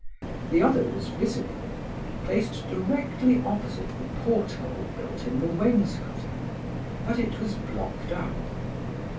The other was visible, placed directly opposite the porthole built in the wainscoting, but it was blocked up.